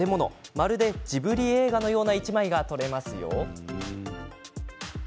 まるで、ジブリ映画のような１枚が撮れますよ。